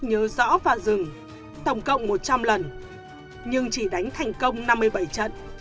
nhớ rõ vào rừng tổng cộng một trăm linh lần nhưng chỉ đánh thành công năm mươi bảy trận